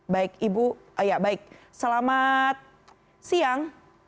baik ibu baik selamat siang